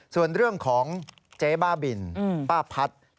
ส่วนเรื่องของเจ๊บ้าบินป้าพัฒน์